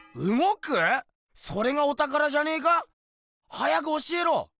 早く教えろ。